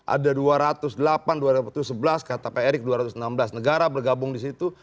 ada dua ratus delapan dua ratus sebelas kata pak erick dua ratus enam belas negara bergabung di situ